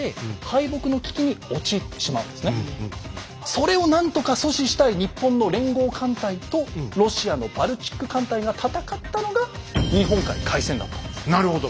それをなんとか阻止したい日本の連合艦隊とロシアのバルチック艦隊が戦ったのがなるほど。